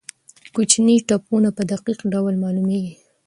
کوچني ټپونه په دقیق ډول معلومېږي.